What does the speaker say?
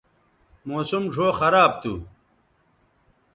موسم ڙھؤ خراب تھو